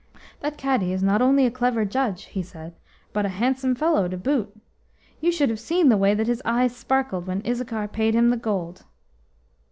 "That Cadi is not only a clever judge," he said, "but a handsome fellow to boot. You should have seen the way that his eyes sparkled when Issachar paid him the gold."